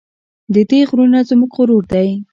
د دې غرونه زموږ غرور دی